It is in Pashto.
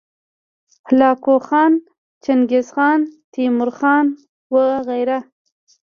هلاکو خان، چنګیزخان، تیمورخان وغیره